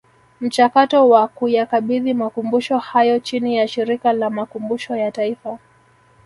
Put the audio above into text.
Mchakato wa kuyakabidhi Makumbusho hayo chini ya Shirika la Makumbusho ya Taifa